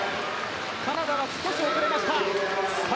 カナダが少し遅れました。